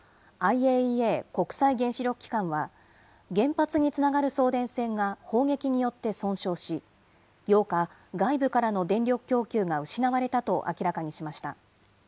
ＩＡＥＡ・国際原子力機関は、原発につながる送電線が砲撃によって損傷し、８日、外部からの電力供給が失われたと明らかにしました。